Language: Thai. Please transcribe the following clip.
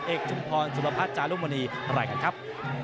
เอกชุมพรสุรพัชย์จารุมณีอะไรกันครับ